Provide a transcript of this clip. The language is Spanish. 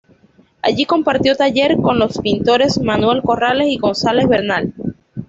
Allí compartió taller con los pintores Manuel Corrales y González Bernal.